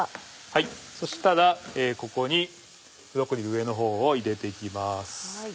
そしたらここにブロッコリー上の方を入れていきます。